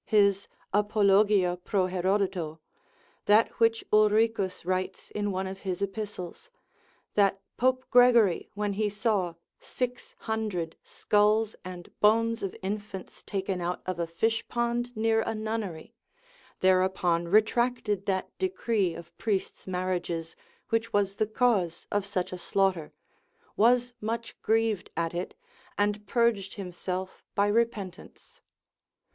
his Apol. for Herodotus, that which Ulricus writes in one of his epistles, that Pope Gregory when he saw 600 skulls and bones of infants taken out of a fishpond near a nunnery, thereupon retracted that decree of priests' marriages, which was the cause of such a slaughter, was much grieved at it, and purged himself by repentance.